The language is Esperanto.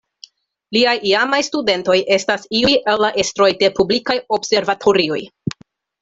Liaj iamaj studentoj estas iuj el la estroj de publikaj observatorioj.